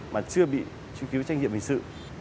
mà chưa bị truy kiếu trách nhiệm hình sự